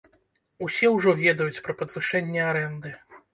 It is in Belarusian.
Усе ўжо ведаюць пра падвышэнне арэнды.